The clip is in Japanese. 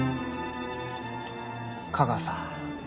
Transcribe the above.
架川さん